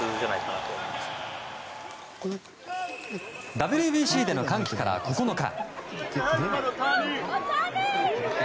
ＷＢＣでの歓喜から９日。